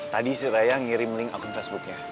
tadi istri raya ngirim link akun facebooknya